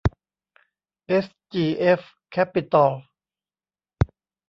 เอสจีเอฟ แคปปิตอล